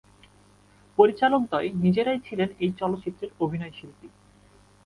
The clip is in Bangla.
পরিচালকদ্বয় নিজেরাই ছিলেন এই চলচ্চিত্রের অভিনয়শিল্পী।